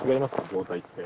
状態って。